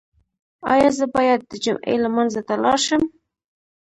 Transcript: ایا زه باید د جمعې لمانځه ته لاړ شم؟